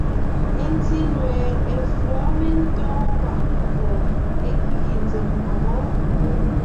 Ńtí nue, efǔɔ mentóon kwaʼ ńgÿo é kẅiʼi ńzém mboŋó.